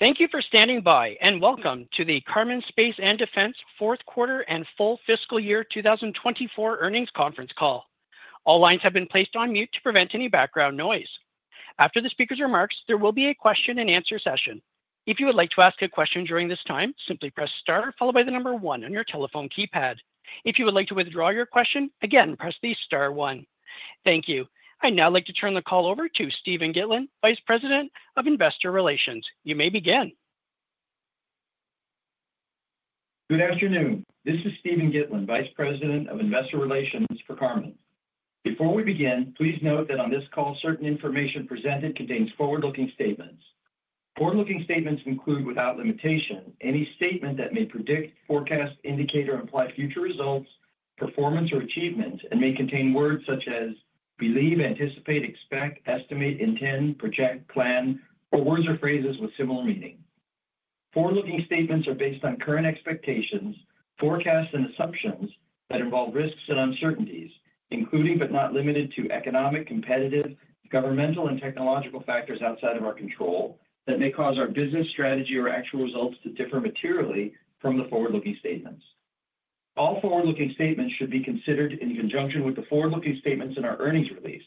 Thank you for standing by, and welcome to the Karman Space & Defense Fourth Quarter and Full Fiscal Year 2024 Earnings Conference Call. All lines have been placed on mute to prevent any background noise. After the speaker's remarks, there will be a question-and-answer session. If you would like to ask a question during this time, simply press * followed by the number 1 on your telephone keypad. If you would like to withdraw your question, again, press the *1. Thank you. I'd now like to turn the call over to Steven Gitlin, Vice President of Investor Relations. You may begin. Good afternoon. This is Steven Gitlin, Vice President of Investor Relations for Karman. Before we begin, please note that on this call, certain information presented contains forward-looking statements. Forward-looking statements include, without limitation, any statement that may predict, forecast, indicate, or imply future results, performance, or achievements, and may contain words such as believe, anticipate, expect, estimate, intend, project, plan, or words or phrases with similar meaning. Forward-looking statements are based on current expectations, forecasts, and assumptions that involve risks and uncertainties, including, but not limited to, economic, competitive, governmental, and technological factors outside of our control that may cause our business, strategy, or actual results to differ materially from the forward-looking statements. All forward-looking statements should be considered in conjunction with the forward-looking statements in our earnings release.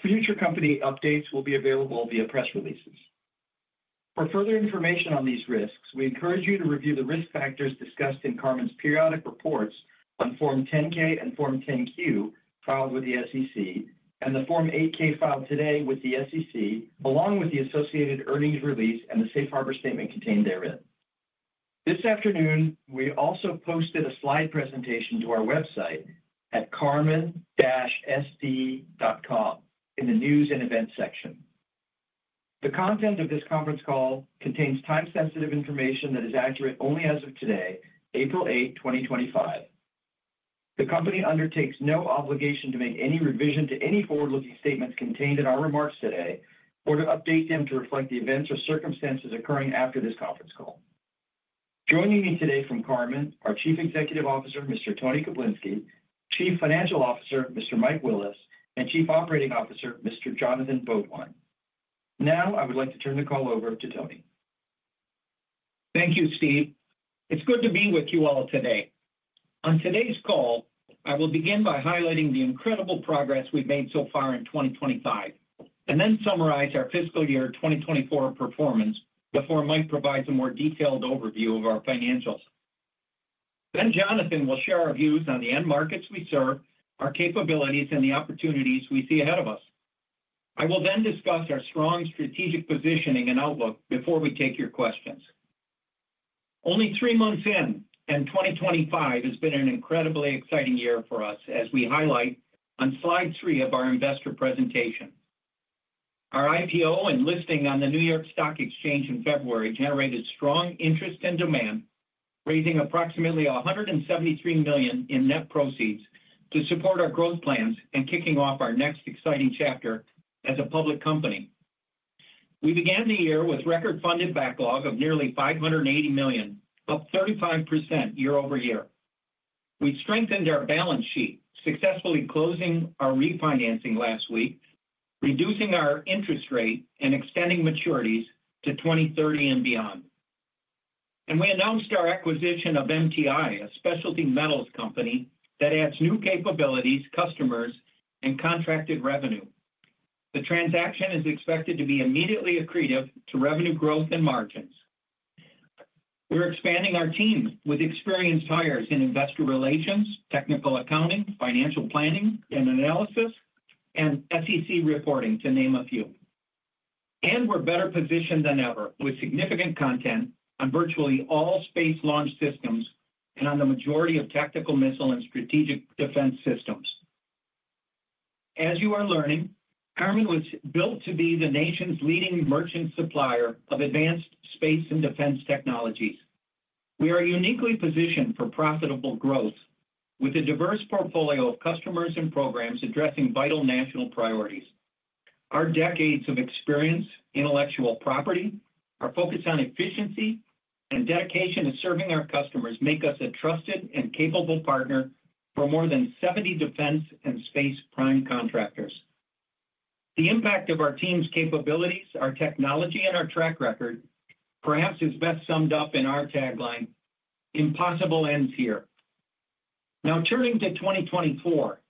Future company updates will be available via press releases. For further information on these risks, we encourage you to review the risk factors discussed in Karman's periodic reports on Form 10-K and Form 10-Q filed with the SEC, and the Form 8-K filed today with the SEC, along with the associated earnings release and the Safe Harbor Statement contained therein. This afternoon, we also posted a slide presentation to our website at karman-sd.com in the News and Events section. The content of this conference call contains time-sensitive information that is accurate only as of today, April 8, 2025. The company undertakes no obligation to make any revision to any forward-looking statements contained in our remarks today or to update them to reflect the events or circumstances occurring after this conference call. Joining me today from Karman are Chief Executive Officer Mr. Tony Koblinski, Chief Financial Officer Mr. Mike Willis, and Chief Operating Officer Mr. Jonathan Beaudoin. Now, I would like to turn the call over to Tony. Thank you, Steve. It's good to be with you all today. On today's call, I will begin by highlighting the incredible progress we've made so far in 2025 and then summarize our fiscal year 2024 performance before Mike provides a more detailed overview of our financials. Jonathan will share our views on the end markets we serve, our capabilities, and the opportunities we see ahead of us. I will then discuss our strong strategic positioning and outlook before we take your questions. Only three months in, and 2025 has been an incredibly exciting year for us, as we highlight on slide three of our investor presentation. Our IPO and listing on the New York Stock Exchange in February generated strong interest and demand, raising approximately $173 million in net proceeds to support our growth plans and kicking off our next exciting chapter as a public company. We began the year with record-funded backlog of nearly $580 million, up 35% year-over-year. We strengthened our balance sheet, successfully closing our refinancing last week, reducing our interest rate, and extending maturities to 2030 and beyond. We announced our acquisition of MTI, a specialty metals company that adds new capabilities, customers, and contracted revenue. The transaction is expected to be immediately accretive to revenue growth and margins. We are expanding our team with experienced hires in investor relations, technical accounting, financial planning and analysis, and SEC reporting, to name a few. We are better positioned than ever with significant content on virtually all space launch systems and on the majority of tactical missile and strategic defense systems. As you are learning, Karman was built to be the nation's leading merchant supplier of advanced space and defense technologies. We are uniquely positioned for profitable growth with a diverse portfolio of customers and programs addressing vital national priorities. Our decades of experience, intellectual property, our focus on efficiency, and dedication to serving our customers make us a trusted and capable partner for more than 70 defense and space prime contractors. The impact of our team's capabilities, our technology, and our track record perhaps is best summed up in our tagline, "Impossible ends here." Now, turning to 2024,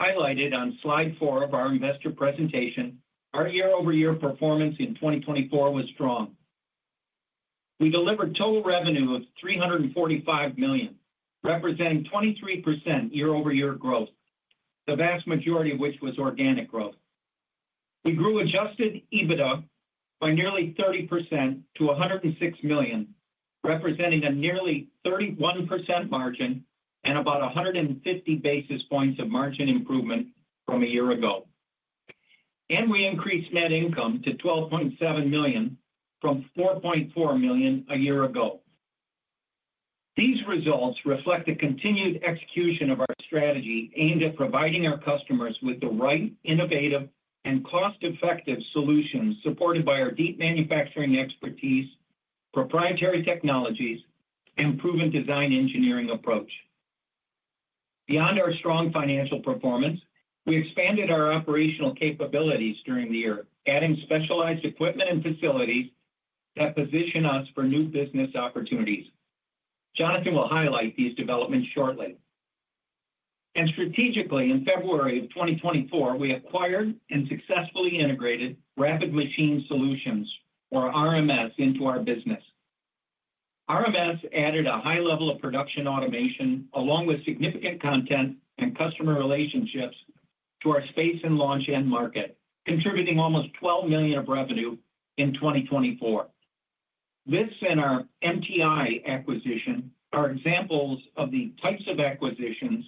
highlighted on slide four of our investor presentation, our year-over-year performance in 2024 was strong. We delivered total revenue of $345 million, representing 23% year-over-year growth, the vast majority of which was organic growth. We grew adjusted EBITDA by nearly 30% to $106 million, representing a nearly 31% margin and about 150 basis points of margin improvement from a year ago. We increased net income to $12.7 million from $4.4 million a year ago. These results reflect the continued execution of our strategy aimed at providing our customers with the right, innovative, and cost-effective solutions supported by our deep manufacturing expertise, proprietary technologies, and proven design engineering approach. Beyond our strong financial performance, we expanded our operational capabilities during the year, adding specialized equipment and facilities that position us for new business opportunities. Jonathan will highlight these developments shortly. Strategically, in February of 2024, we acquired and successfully integrated Rapid Machining Solutions, or RMS, into our business. RMS added a high level of production automation along with significant content and customer relationships to our space and launch market, contributing almost $12 million of revenue in 2024. This and our MTI acquisition are examples of the types of acquisitions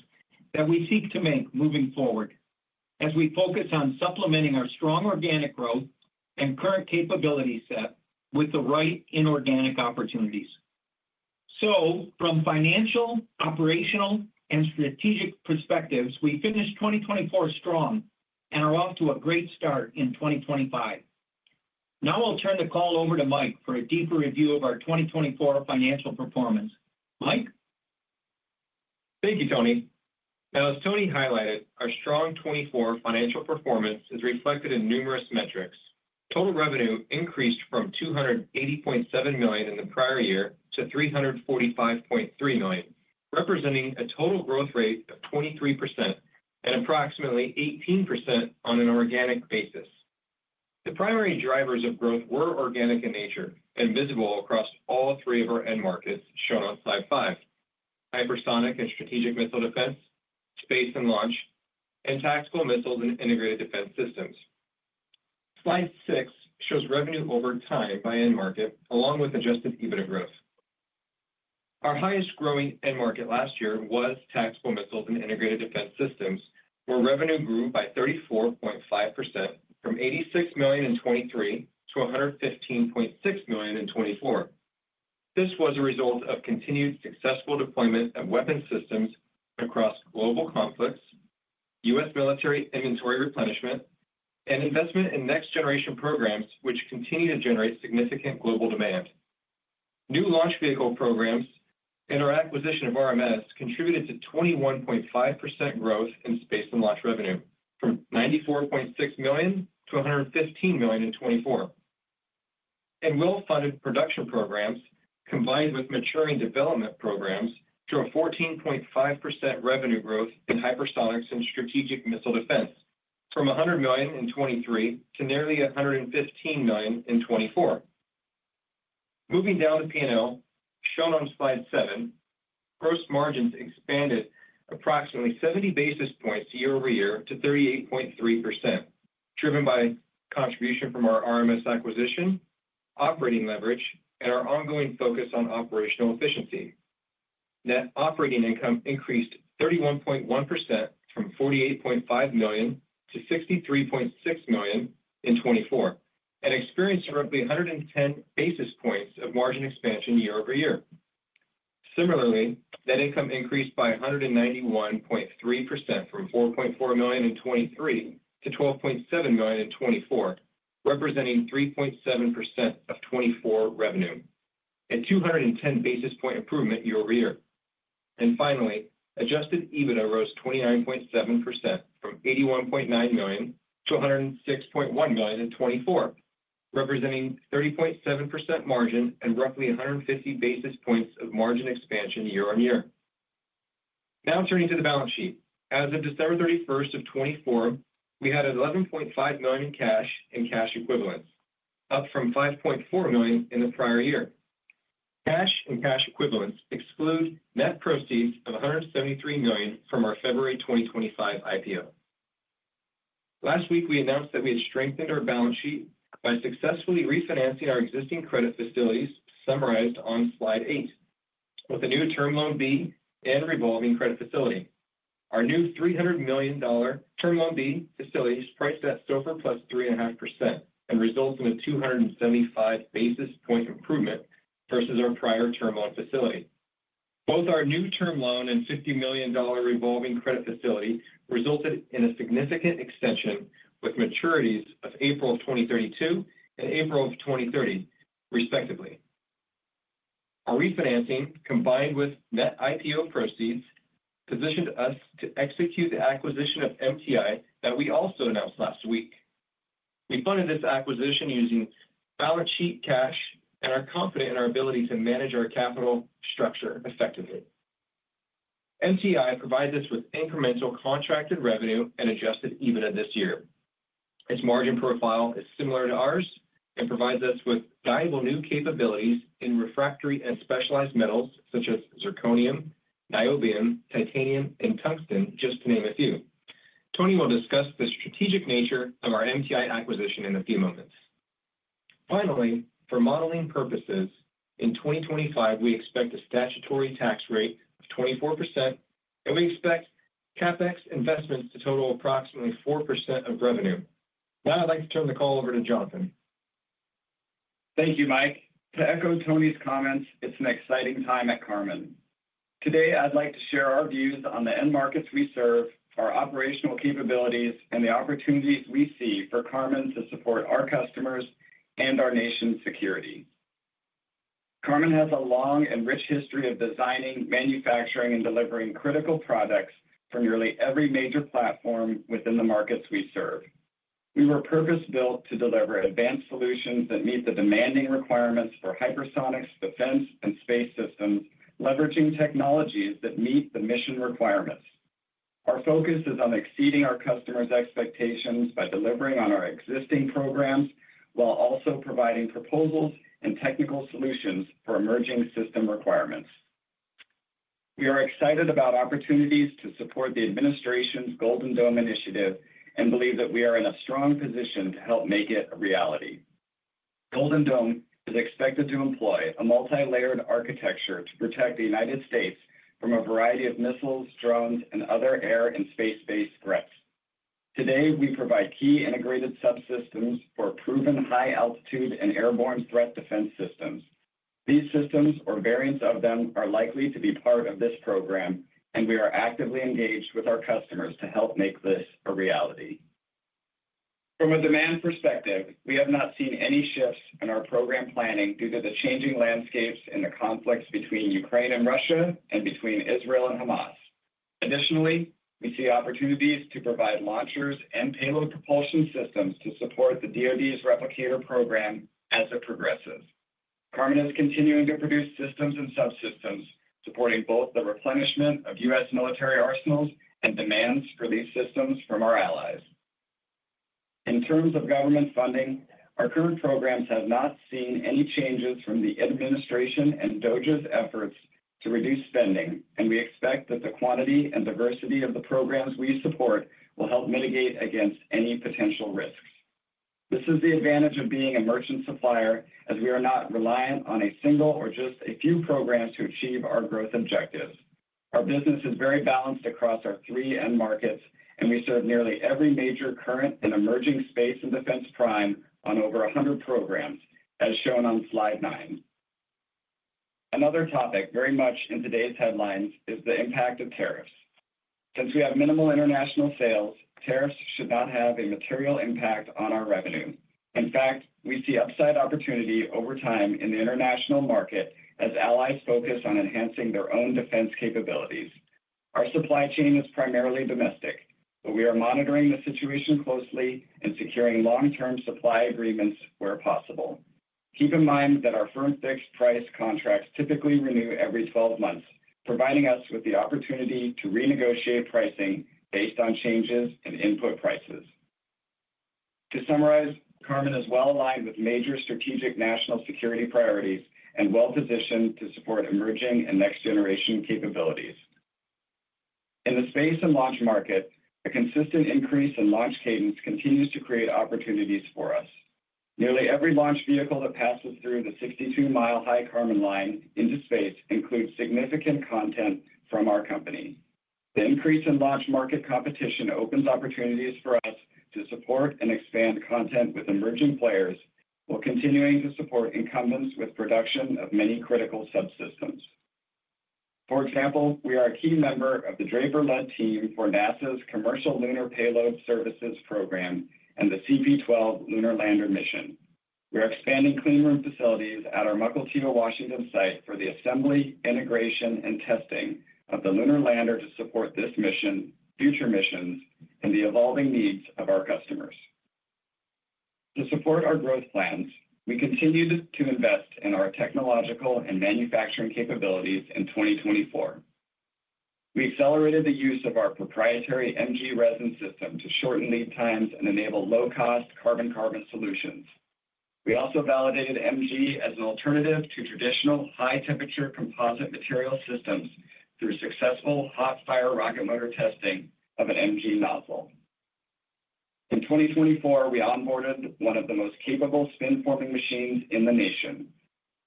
that we seek to make moving forward as we focus on supplementing our strong organic growth and current capability set with the right inorganic opportunities. From financial, operational, and strategic perspectives, we finished 2024 strong and are off to a great start in 2025. Now, I'll turn the call over to Mike for a deeper review of our 2024 financial performance. Mike? Thank you, Tony. Now, as Tony highlighted, our strong 2024 financial performance is reflected in numerous metrics. Total revenue increased from $280.7 million in the prior year to $345.3 million, representing a total growth rate of 23% and approximately 18% on an organic basis. The primary drivers of growth were organic in nature and visible across all three of our end markets shown on slide five: hypersonic and strategic missile defense, space and launch, and tactical missiles and integrated defense systems. Slide six shows revenue over time by end market along with adjusted EBITDA growth. Our highest growing end market last year was tactical missiles and integrated defense systems, where revenue grew by 34.5% from $86 million in 2023 to $115.6 million in 2024. This was a result of continued successful deployment of weapons systems across global conflicts, U.S. military inventory replenishment, and investment in next-generation programs, which continue to generate significant global demand. New launch vehicle programs and our acquisition of RMS contributed to 21.5% growth in space and launch revenue from $94.6 million to $115 million in 2024. Well-funded production programs combined with maturing development programs drove 14.5% revenue growth in hypersonics and strategic missile defense from $100 million in 2023 to nearly $115 million in 2024. Moving down the pane shown on slide seven, gross margins expanded approximately 70 basis points year-over-year to 38.3%, driven by contribution from our RMS acquisition, operating leverage, and our ongoing focus on operational efficiency. Net operating income increased 31.1% from $48.5 million to $63.6 million in 2024 and experienced roughly 110 basis points of margin expansion year-over-year. Similarly, net income increased by 191.3% from $4.4 million in 2023 to $12.7 million in 2024, representing 3.7% of 2024 revenue and 210 basis point improvement year-over-year. Finally, adjusted EBITDA rose 29.7% from $81.9 million to $106.1 million in 2024, representing 30.7% margin and roughly 150 basis points of margin expansion year-on-year. Now, turning to the balance sheet, as of December 31 of 2024, we had $11.5 million in cash and cash equivalents, up from $5.4 million in the prior year. Cash and cash equivalents exclude net proceeds of $173 million from our February 2025 IPO. Last week, we announced that we had strengthened our balance sheet by successfully refinancing our existing credit facilities summarized on slide eight, with a new Term Loan B and a revolving credit facility. Our new $300 million Term Loan B facility is priced at 0.35% and results in a 275 basis point improvement versus our prior term loan facility. Both our new term loan and $50 million revolving credit facility resulted in a significant extension with maturities of April of 2032 and April of 2030, respectively. Our refinancing, combined with net IPO proceeds, positioned us to execute the acquisition of MTI that we also announced last week. We funded this acquisition using balance sheet cash and are confident in our ability to manage our capital structure effectively. MTI provides us with incremental contracted revenue and adjusted EBITDA this year. Its margin profile is similar to ours and provides us with valuable new capabilities in refractory and specialized metals such as zirconium, niobium, titanium, and tungsten, just to name a few. Tony will discuss the strategic nature of our MTI acquisition in a few moments. Finally, for modeling purposes, in 2025, we expect a statutory tax rate of 24%, and we expect CapEx investments to total approximately 4% of revenue. Now, I'd like to turn the call over to Jonathan. Thank you, Mike. To echo Tony's comments, it's an exciting time at Karman. Today, I'd like to share our views on the end markets we serve, our operational capabilities, and the opportunities we see for Karman to support our customers and our nation's security. Karman has a long and rich history of designing, manufacturing, and delivering critical products from nearly every major platform within the markets we serve. We were purpose-built to deliver advanced solutions that meet the demanding requirements for hypersonics, defense, and space systems, leveraging technologies that meet the mission requirements. Our focus is on exceeding our customers' expectations by delivering on our existing programs while also providing proposals and technical solutions for emerging system requirements. We are excited about opportunities to support the administration's Golden Dome Initiative and believe that we are in a strong position to help make it a reality. Golden Dome is expected to employ a multi-layered architecture to protect the United States from a variety of missiles, drones, and other air and space-based threats. Today, we provide key integrated subsystems for proven high-altitude and airborne threat defense systems. These systems, or variants of them, are likely to be part of this program, and we are actively engaged with our customers to help make this a reality. From a demand perspective, we have not seen any shifts in our program planning due to the changing landscapes and the conflicts between Ukraine and Russia and between Israel and Hamas. Additionally, we see opportunities to provide launchers and payload propulsion systems to support the DOD's Replicator program as it progresses. Karman is continuing to produce systems and subsystems supporting both the replenishment of U.S. military arsenals and demands for these systems from our allies. In terms of government funding, our current programs have not seen any changes from the administration and DOD's efforts to reduce spending, and we expect that the quantity and diversity of the programs we support will help mitigate against any potential risks. This is the advantage of being a merchant supplier, as we are not reliant on a single or just a few programs to achieve our growth objectives. Our business is very balanced across our three end markets, and we serve nearly every major current and emerging space and defense prime on over 100 programs, as shown on slide nine. Another topic very much in today's headlines is the impact of tariffs. Since we have minimal international sales, tariffs should not have a material impact on our revenue. In fact, we see upside opportunity over time in the international market as allies focus on enhancing their own defense capabilities. Our supply chain is primarily domestic, but we are monitoring the situation closely and securing long-term supply agreements where possible. Keep in mind that our firm-fixed price contracts typically renew every 12 months, providing us with the opportunity to renegotiate pricing based on changes in input prices. To summarize, Karman is well aligned with major strategic national security priorities and well-positioned to support emerging and next-generation capabilities. In the space and launch market, the consistent increase in launch cadence continues to create opportunities for us. Nearly every launch vehicle that passes through the 62 miles high Karman line into space includes significant content from our company. The increase in launch market competition opens opportunities for us to support and expand content with emerging players while continuing to support incumbents with production of many critical subsystems. For example, we are a key member of the Draper-led team for NASA's Commercial Lunar Payload Services Program and the CP-12 Lunar Lander Mission. We are expanding cleanroom facilities at our Mukilteo, Washington, site for the assembly, integration, and testing of the lunar lander to support this mission, future missions, and the evolving needs of our customers. To support our growth plans, we continue to invest in our technological and manufacturing capabilities in 2024. We accelerated the use of our proprietary MG Resin system to shorten lead times and enable low-cost carbon-carbon solutions. We also validated MG as an alternative to traditional high-temperature composite material systems through successful hot-fire rocket motor testing of an MG nozzle. In 2024, we onboarded one of the most capable spin-forming machines in the nation,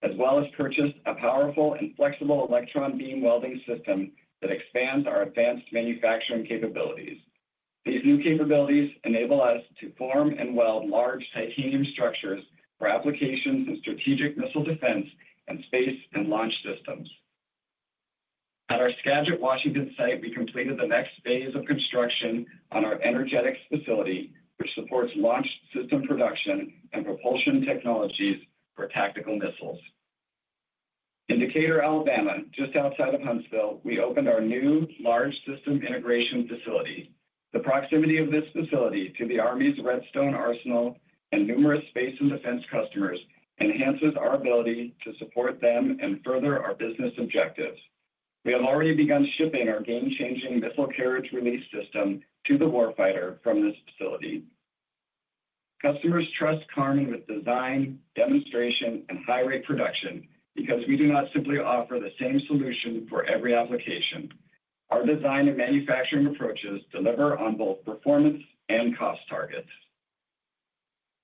as well as purchased a powerful and flexible electron beam welding system that expands our advanced manufacturing capabilities. These new capabilities enable us to form and weld large titanium structures for applications in strategic missile defense and space and launch systems. At our Skagit, Washington, site, we completed the next phase of construction on our energetics facility, which supports launch system production and propulsion technologies for tactical missiles. In Decatur, Alabama, just outside of Huntsville, we opened our new large system integration facility. The proximity of this facility to the Army's Redstone Arsenal and numerous space and defense customers enhances our ability to support them and further our business objectives. We have already begun shipping our game-changing missile carriage release system to the warfighter from this facility. Customers trust Karman with design, demonstration, and high-rate production because we do not simply offer the same solution for every application. Our design and manufacturing approaches deliver on both performance and cost targets.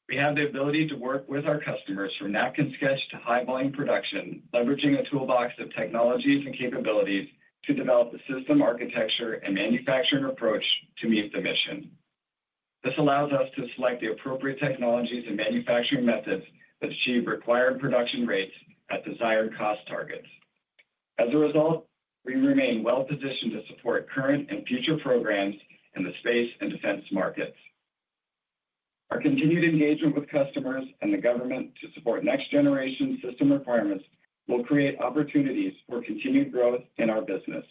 We have the ability to work with our customers from napkin sketch to high-volume production, leveraging a toolbox of technologies and capabilities to develop a system architecture and manufacturing approach to meet the mission. This allows us to select the appropriate technologies and manufacturing methods that achieve required production rates at desired cost targets. As a result, we remain well-positioned to support current and future programs in the space and defense markets. Our continued engagement with customers and the government to support next-generation system requirements will create opportunities for continued growth in our business.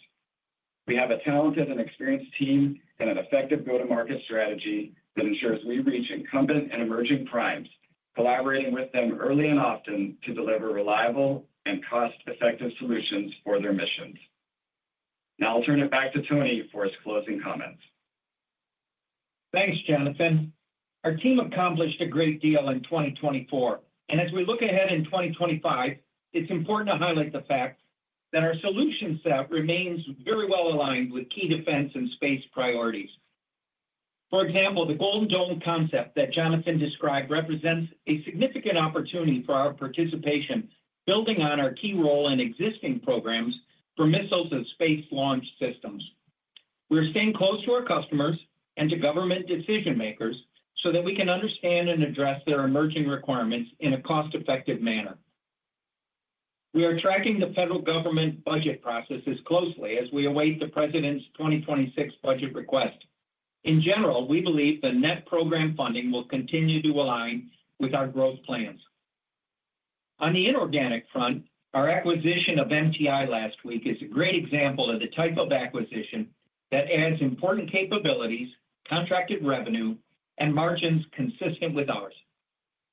We have a talented and experienced team and an effective go-to-market strategy that ensures we reach incumbent and emerging primes, collaborating with them early and often to deliver reliable and cost-effective solutions for their missions. Now, I'll turn it back to Tony for his closing comments. Thanks, Jonathan. Our team accomplished a great deal in 2024, and as we look ahead in 2025, it's important to highlight the fact that our solution set remains very well aligned with key defense and space priorities. For example, the Golden Dome concept that Jonathan described represents a significant opportunity for our participation, building on our key role in existing programs for missiles and space launch systems. We're staying close to our customers and to government decision-makers so that we can understand and address their emerging requirements in a cost-effective manner. We are tracking the federal government budget processes closely as we await the president's 2026 budget request. In general, we believe the net program funding will continue to align with our growth plans. On the inorganic front, our acquisition of MTI last week is a great example of the type of acquisition that adds important capabilities, contracted revenue, and margins consistent with ours.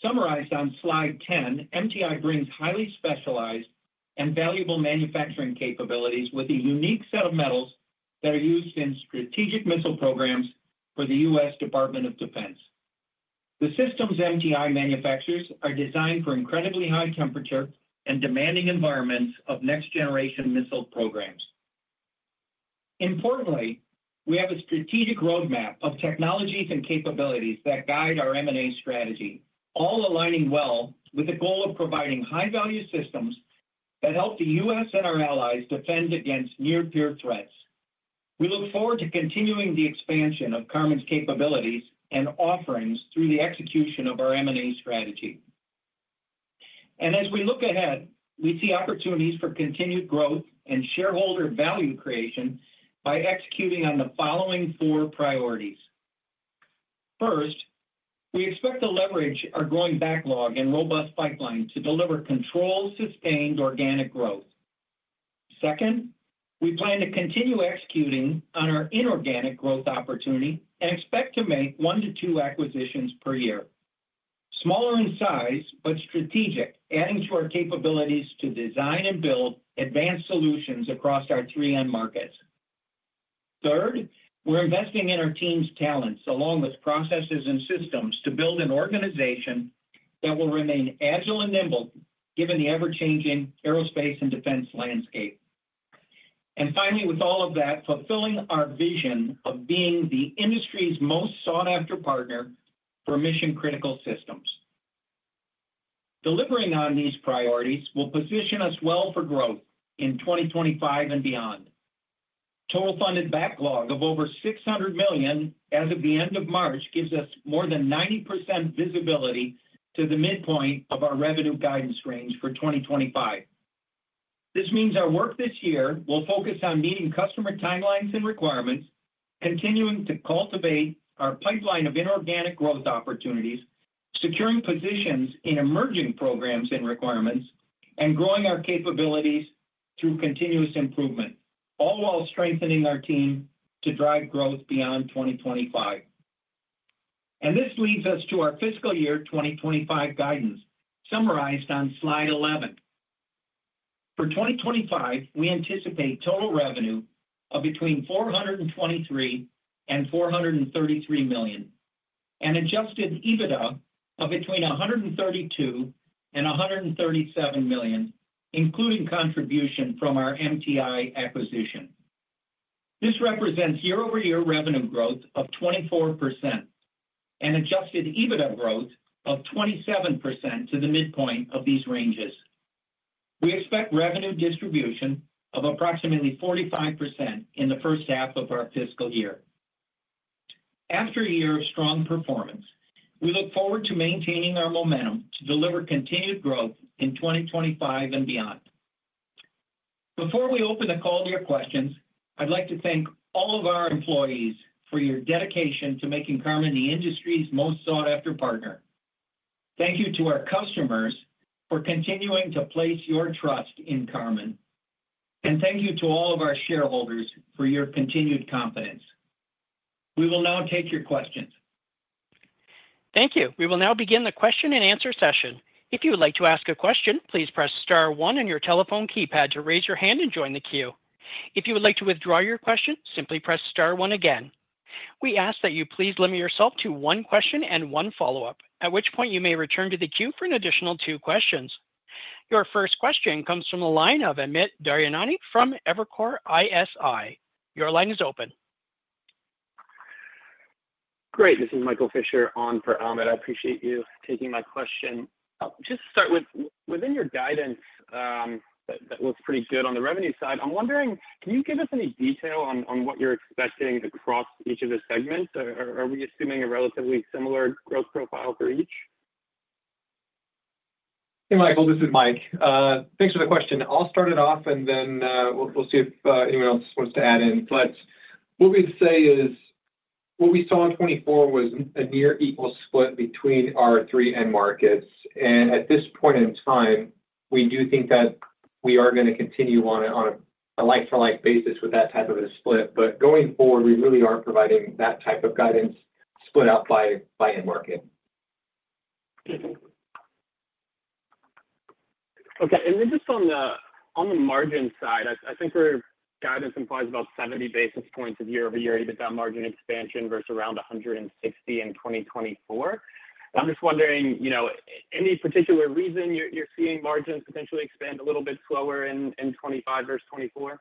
Summarized on slide 10, MTI brings highly specialized and valuable manufacturing capabilities with a unique set of metals that are used in strategic missile programs for the U.S. Department of Defense. The systems MTI manufactures are designed for incredibly high temperature and demanding environments of next-generation missile programs. Importantly, we have a strategic roadmap of technologies and capabilities that guide our M&A strategy, all aligning well with the goal of providing high-value systems that help the U.S. and our allies defend against near-peer threats. We look forward to continuing the expansion of Karman's capabilities and offerings through the execution of our M&A strategy. As we look ahead, we see opportunities for continued growth and shareholder value creation by executing on the following four priorities. First, we expect to leverage our growing backlog and robust pipeline to deliver controlled, sustained organic growth. Second, we plan to continue executing on our inorganic growth opportunity and expect to make one to two acquisitions per year. Smaller in size, but strategic, adding to our capabilities to design and build advanced solutions across our three end markets. Third, we're investing in our team's talents along with processes and systems to build an organization that will remain agile and nimble given the ever-changing aerospace and defense landscape. Finally, with all of that, fulfilling our vision of being the industry's most sought-after partner for mission-critical systems. Delivering on these priorities will position us well for growth in 2025 and beyond. Total funded backlog of over $600 million as of the end of March gives us more than 90% visibility to the midpoint of our revenue guidance range for 2025. This means our work this year will focus on meeting customer timelines and requirements, continuing to cultivate our pipeline of inorganic growth opportunities, securing positions in emerging programs and requirements, and growing our capabilities through continuous improvement, all while strengthening our team to drive growth beyond 2025. This leads us to our fiscal year 2025 guidance summarized on slide 11. For 2025, we anticipate total revenue of between $423 million and $433 million, and adjusted EBITDA of between $132 million and $137 million, including contribution from our MTI acquisition. This represents year-over-year revenue growth of 24% and adjusted EBITDA growth of 27% to the midpoint of these ranges. We expect revenue distribution of approximately 45% in the first half of our fiscal year. After a year of strong performance, we look forward to maintaining our momentum, deliver continued growth in 2025 and beyond. Before we open the call to your questions, I'd like to thank all of our employees for your dedication to making Karman the industry's most sought-after partner. Thank you to our customers for continuing to place your trust in Karman, and thank you to all of our shareholders for your continued confidence. We will now take your questions. Thank you. We will now begin the question and answer session. If you would like to ask a question, please press star one on your telephone keypad to raise your hand and join the queue. If you would like to withdraw your question, simply press star one again. We ask that you please limit yourself to one question and one follow-up, at which point you may return to the queue for an additional two questions. Your first question comes from the line of Amit Daryanani from Evercore ISI. Your line is open. Great. This is Michael Fisher on for Amit. I appreciate you taking my question. Just to start with, within your guidance, that looks pretty good on the revenue side. I'm wondering, can you give us any detail on what you're expecting across each of the segments? Are we assuming a relatively similar growth profile for each? Hey, Michael, this is Mike. Thanks for the question. I'll start it off, and then we'll see if anyone else wants to add in. What we'd say is what we saw in 2024 was a near equal split between our three end markets. At this point in time, we do think that we are going to continue on a like-for-like basis with that type of a split. Going forward, we really aren't providing that type of guidance split out by end market. Okay. And then just on the margin side, I think our guidance implies about 70 basis points of year-over-year EBITDA margin expansion versus around 160 in 2024. I'm just wondering, any particular reason you're seeing margins potentially expand a little bit slower in 2025 versus 2024?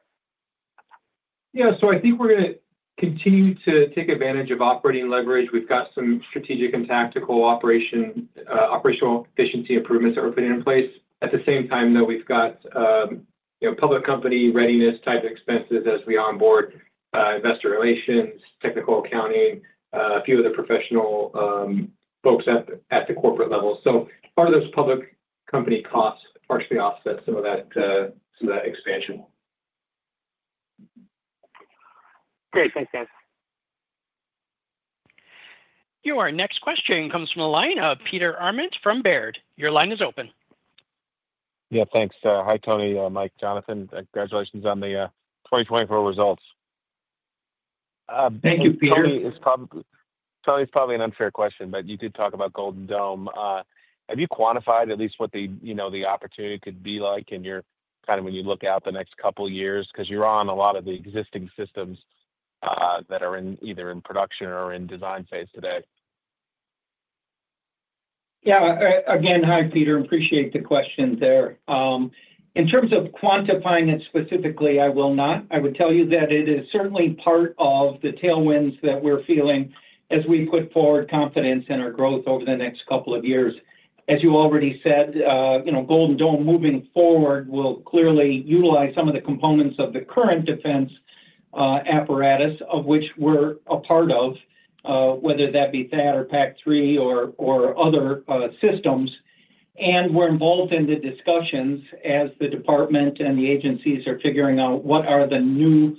Yeah. I think we're going to continue to take advantage of operating leverage. We've got some strategic and tactical operational efficiency improvements that we're putting in place. At the same time, though, we've got public company readiness type of expenses as we onboard investor relations, technical accounting, a few of the professional folks at the corporate level. Part of those public company costs partially offset some of that expansion. Great. Thanks, Mike. Your next question comes from the line of Peter Arment from Baird. Your line is open. Yeah. Thanks. Hi, Tony. Mike, Jonathan, congratulations on the 2024 results. Thank you, Peter. Tony, it's probably an unfair question, but you did talk about Golden Dome. Have you quantified at least what the opportunity could be like in your kind of when you look out the next couple of years? Because you're on a lot of the existing systems that are either in production or in design phase today. Yeah. Again, hi, Peter. Appreciate the question there. In terms of quantifying it specifically, I will not. I would tell you that it is certainly part of the tailwinds that we're feeling as we put forward confidence in our growth over the next couple of years. As you already said, Golden Dome moving forward will clearly utilize some of the components of the current defense apparatus, of which we're a part of, whether that be THAAD or PAC-3 or other systems. We're involved in the discussions as the department and the agencies are figuring out what are the new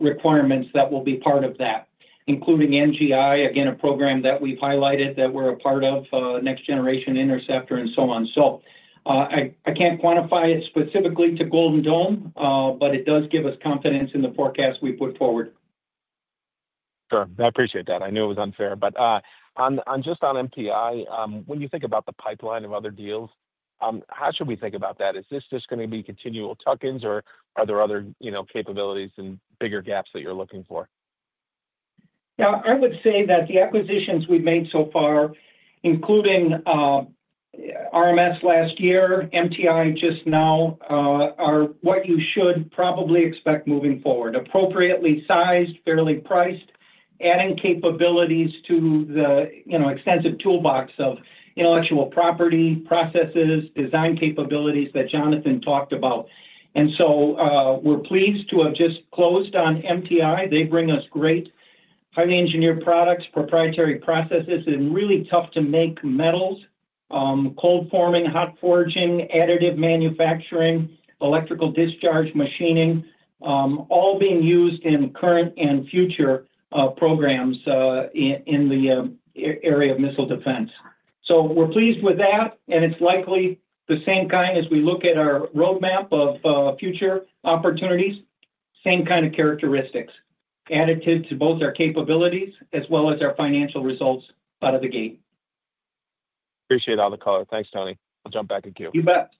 requirements that will be part of that, including NGI, again, a program that we've highlighted that we're a part of, Next Generation Interceptor, and so on. I can't quantify it specifically to Golden Dome, but it does give us confidence in the forecast we put forward. Sure. I appreciate that. I knew it was unfair. Just on MTI, when you think about the pipeline of other deals, how should we think about that? Is this just going to be continual tuck-ins, or are there other capabilities and bigger gaps that you're looking for? Yeah. I would say that the acquisitions we've made so far, including RMS last year, MTI just now, are what you should probably expect moving forward: appropriately sized, fairly priced, adding capabilities to the extensive toolbox of intellectual property processes, design capabilities that Jonathan talked about. We're pleased to have just closed on MTI. They bring us great highly engineered products, proprietary processes, and really tough-to-make metals, cold forming, hot forging, additive manufacturing, electrical discharge machining, all being used in current and future programs in the area of missile defense. We're pleased with that, and it's likely the same kind as we look at our roadmap of future opportunities, same kind of characteristics, additive to both our capabilities as well as our financial results out of the gate. Appreciate all the color. Thanks, Tony. We'll jump back in queue. You bet.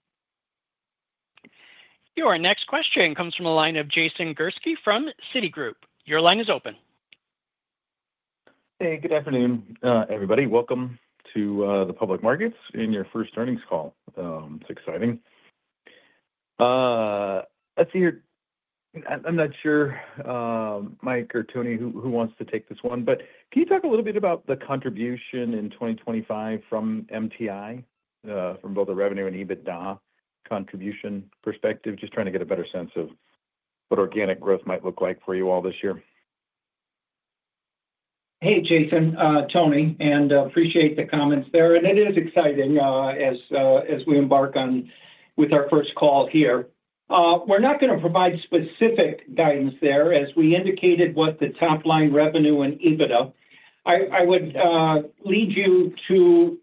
Your next question comes from the line of Jason Gursky from Citigroup. Your line is open. Hey, good afternoon, everybody. Welcome to the public markets in your first earnings call. It's exciting. Let's see here. I'm not sure, Mike or Tony, who wants to take this one, but can you talk a little bit about the contribution in 2025 from MTI, from both the revenue and EBITDA contribution perspective, just trying to get a better sense of what organic growth might look like for you all this year? Hey, Jason, Tony, and appreciate the comments there. It is exciting as we embark on with our first call here. We're not going to provide specific guidance there. As we indicated, what the top line revenue and EBITDA, I would lead you to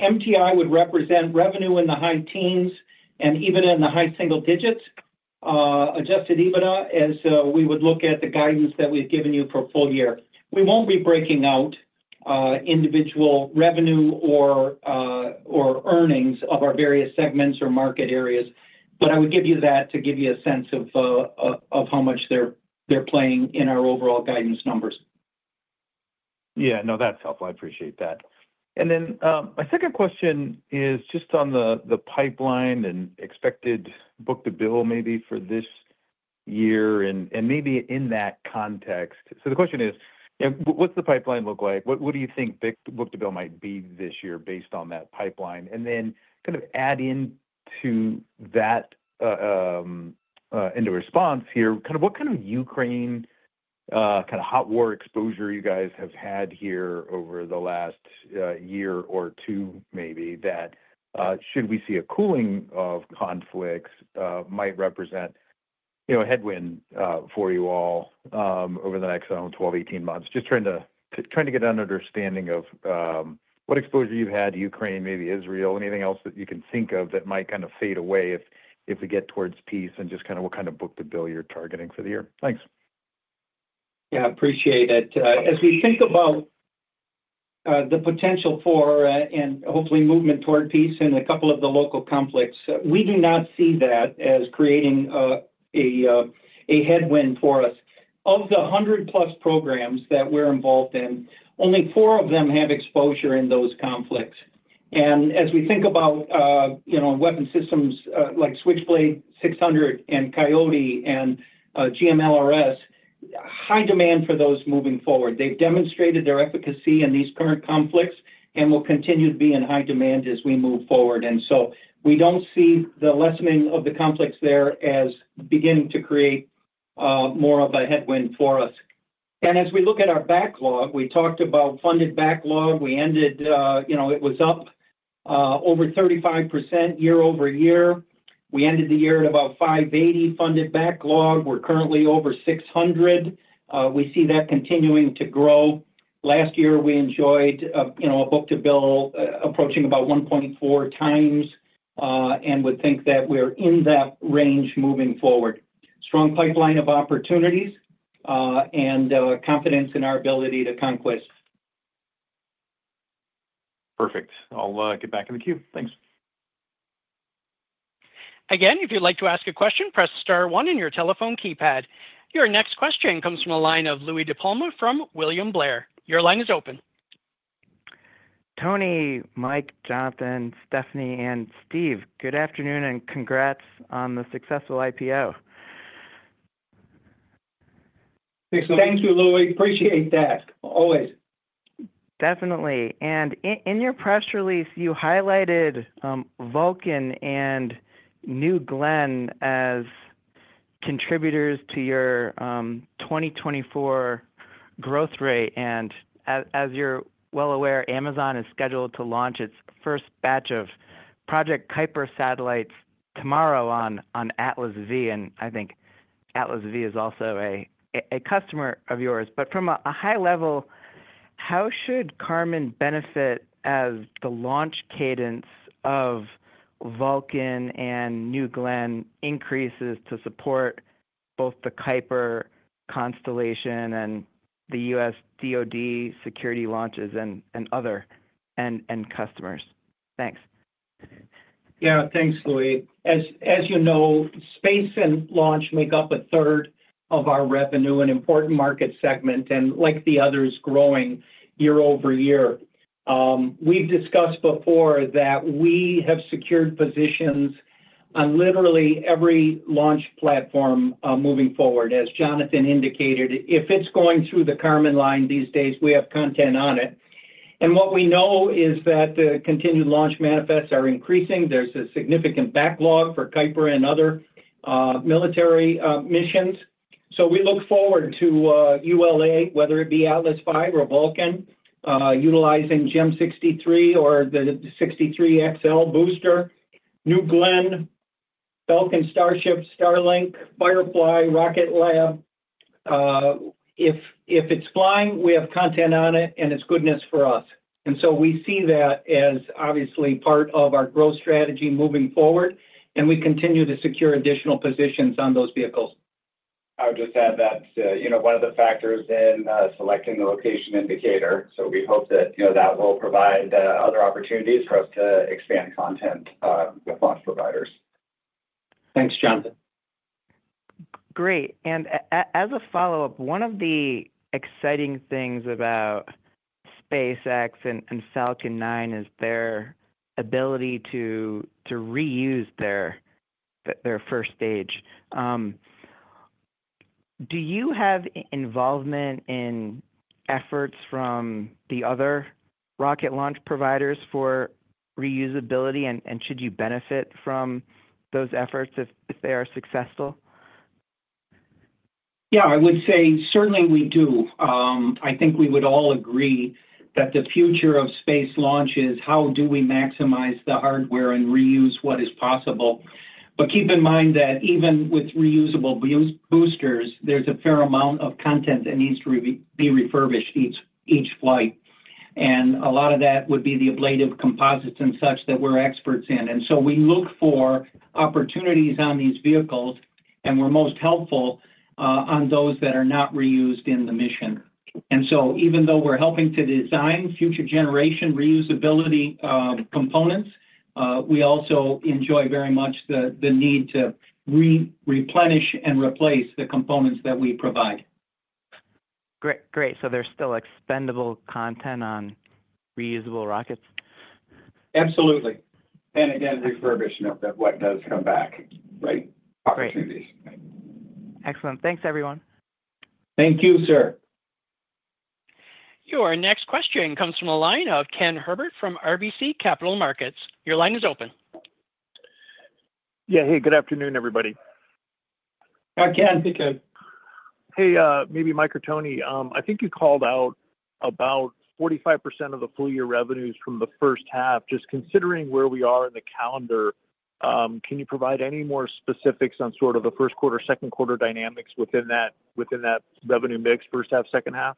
MTI would represent revenue in the high teens and EBITDA in the high single digits, adjusted EBITDA. We would look at the guidance that we've given you for full year. We won't be breaking out individual revenue or earnings of our various segments or market areas, but I would give you that to give you a sense of how much they're playing in our overall guidance numbers. Yeah. No, that's helpful. I appreciate that. My second question is just on the pipeline and expected book-to-bill maybe for this year and maybe in that context. The question is, what's the pipeline look like? What do you think book-to-bill might be this year based on that pipeline? Kind of add into that, into response here, kind of what kind of Ukraine kind of hot war exposure you guys have had here over the last year or two maybe that should we see a cooling of conflicts might represent a headwind for you all over the next 12-18 months? Just trying to get an understanding of what exposure you've had to Ukraine, maybe Israel, anything else that you can think of that might kind of fade away if we get towards peace and just kind of what kind of book-to-bill you're targeting for the year. Thanks. Yeah. Appreciate it. As we think about the potential for and hopefully movement toward peace in a couple of the local conflicts, we do not see that as creating a headwind for us. Of the 100-plus programs that we're involved in, only four of them have exposure in those conflicts. As we think about weapon systems like Switchblade 600 and Coyote and GMLRS, high demand for those moving forward. They've demonstrated their efficacy in these current conflicts and will continue to be in high demand as we move forward. We don't see the lessening of the conflicts there as beginning to create more of a headwind for us. As we look at our backlog, we talked about funded backlog. We ended, it was up over 35% year-over-year. We ended the year at about $580 million funded backlog. We're currently over $600 million. We see that continuing to grow. Last year, we enjoyed a book to bill approaching about 1.4 times and would think that we're in that range moving forward. Strong pipeline of opportunities and confidence in our ability to conquest. Perfect. I'll get back in the queue. Thanks. Again, if you'd like to ask a question, press star one on your telephone keypad. Your next question comes from the line of Louis DiPalma from William Blair. Your line is open. Tony, Mike, Jonathan, Stephanie, and Steve, good afternoon and congrats on the successful IPO. Thanks, Louis. Thank you, Louis. Appreciate that. Always. Definitely. In your press release, you highlighted Vulcan and New Glenn as contributors to your 2024 growth rate. As you are well aware, Amazon is scheduled to launch its first batch of Project Kuiper satellites tomorrow on Atlas V. I think Atlas V is also a customer of yours. From a high level, how should Karman benefit as the launch cadence of Vulcan and New Glenn increases to support both the Kuiper constellation and the US DOD security launches and other customers? Thanks. Yeah. Thanks, Louis. As you know, space and launch make up a third of our revenue, an important market segment, and like the others, growing year over year. We've discussed before that we have secured positions on literally every launch platform moving forward. As Jonathan indicated, if it's going through the Karman line these days, we have content on it. What we know is that the continued launch manifests are increasing. There's a significant backlog for Kuiper and other military missions. We look forward to ULA, whether it be Atlas V or Vulcan, utilizing GEM-63 or the 63XL booster, New Glenn, Falcon, Starship, Starlink, Firefly, Rocket Lab. If it's flying, we have content on it, and it's goodness for us. We see that as obviously part of our growth strategy moving forward, and we continue to secure additional positions on those vehicles. I'll just add that one of the factors in selecting the location in Decatur. We hope that that will provide other opportunities for us to expand content with launch providers. Thanks, John. Great. As a follow-up, one of the exciting things about SpaceX and Falcon 9 is their ability to reuse their first stage. Do you have involvement in efforts from the other rocket launch providers for reusability, and should you benefit from those efforts if they are successful? Yeah. I would say certainly we do. I think we would all agree that the future of space launch is how do we maximize the hardware and reuse what is possible. Keep in mind that even with reusable boosters, there's a fair amount of content that needs to be refurbished each flight. A lot of that would be the ablative composites and such that we're experts in. We look for opportunities on these vehicles, and we're most helpful on those that are not reused in the mission. Even though we're helping to design future generation reusability components, we also enjoy very much the need to replenish and replace the components that we provide. Great. Great. There is still expendable content on reusable rockets? Absolutely. Again, refurbishment of what does come back. Great. Excellent. Thanks, everyone. Thank you, sir. Your next question comes from the line of Ken Herbert from RBC Capital Markets. Your line is open. Yeah. Hey, good afternoon, everybody. Hi, Ken. Hey, Ken. Hey, maybe Mike or Tony. I think you called out about 45% of the full year revenues from the first half. Just considering where we are in the calendar, can you provide any more specifics on sort of the first quarter, second quarter dynamics within that revenue mix, first half, second half?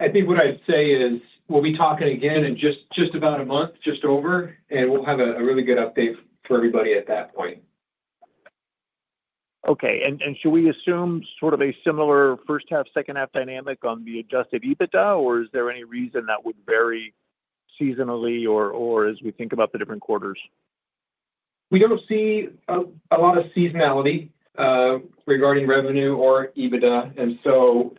I think what I'd say is we'll be talking again in just about a month, just over, and we'll have a really good update for everybody at that point. Should we assume sort of a similar first half, second half dynamic on the adjusted EBITDA, or is there any reason that would vary seasonally or as we think about the different quarters? We don't see a lot of seasonality regarding revenue or EBITDA, and so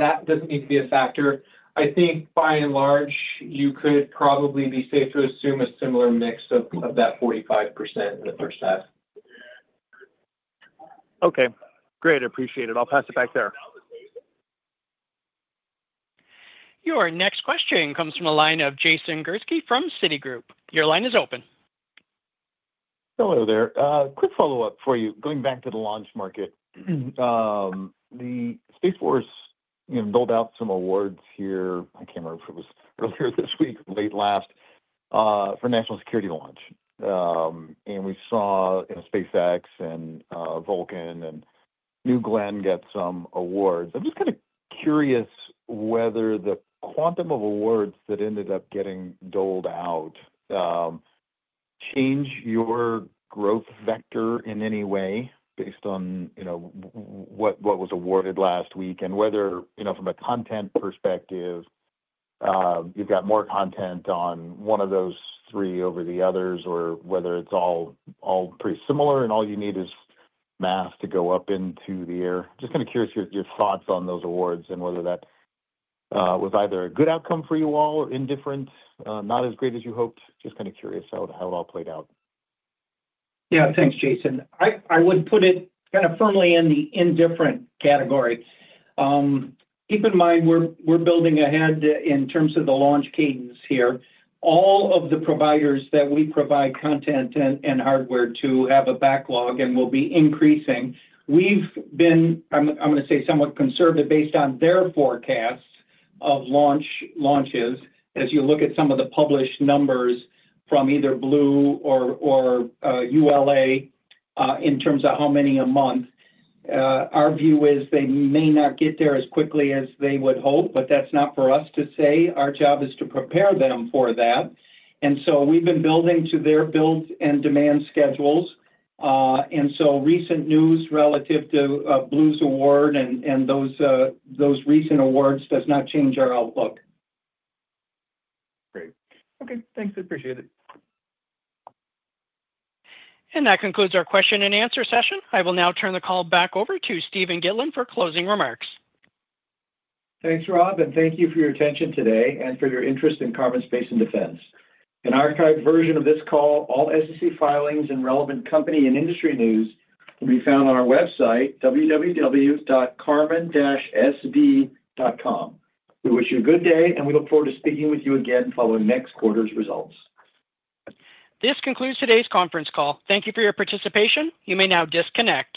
that doesn't need to be a factor. I think by and large, you could probably be safe to assume a similar mix of that 45% in the first half. Okay. Great. Appreciate it. I'll pass it back there. Your next question comes from the line of Jason Gursky from Citigroup. Your line is open. Hello there. Quick follow-up for you. Going back to the launch market, the Space Force billed out some awards here. I can't remember if it was earlier this week or late last for National Security Launch. We saw SpaceX and Vulcan and New Glenn get some awards. I'm just kind of curious whether the quantum of awards that ended up getting doled out changed your growth vector in any way based on what was awarded last week and whether from a content perspective, you've got more content on one of those three over the others or whether it's all pretty similar and all you need is math to go up into the air. Just kind of curious your thoughts on those awards and whether that was either a good outcome for you all, indifferent, not as great as you hoped. Just kind of curious how it all played out. Yeah. Thanks, Jason. I would put it kind of firmly in the indifferent category. Keep in mind we're building ahead in terms of the launch cadence here. All of the providers that we provide content and hardware to have a backlog and will be increasing. We've been, I'm going to say, somewhat conservative based on their forecast of launches. As you look at some of the published numbers from either Blue or ULA in terms of how many a month, our view is they may not get there as quickly as they would hope, but that's not for us to say. Our job is to prepare them for that. We have been building to their build and demand schedules. Recent news relative to Blue's award and those recent awards does not change our outlook. Great. Okay. Thanks. Appreciate it. That concludes our question and answer session. I will now turn the call back over to Steven Gitlin for closing remarks. Thanks, Rob. Thank you for your attention today and for your interest in Karman Space & Defense. An archived version of this call, all SEC filings and relevant company and industry news will be found on our website, www.karman-sd.com. We wish you a good day, and we look forward to speaking with you again following next quarter's results. This concludes today's conference call. Thank you for your participation. You may now disconnect.